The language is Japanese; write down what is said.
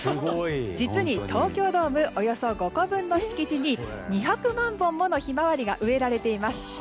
実に東京ドームおよそ５個分の敷地に２００万本ものヒマワリが植えられています。